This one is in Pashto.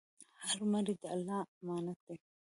هر مړی د الله امانت دی.